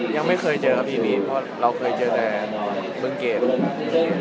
ต้นสำหรับเกมที่จะไปเจอกับเกมเตรน